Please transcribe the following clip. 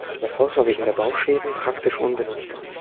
Das Haus war wegen der Bauschäden praktisch unbenutzbar.